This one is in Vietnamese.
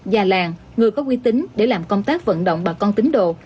già làng người có uy tín để làm công tác vận động bà con tính đồ